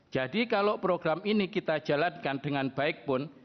jadi kalau program ini kita jalankan dengan baik pun